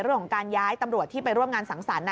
เรื่องของการย้ายตำรวจที่ไปร่วมงานสังสรรค์